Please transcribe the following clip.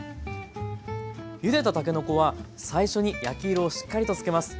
ゆでたたけのこは最初に焼き色をしっかりとつけます。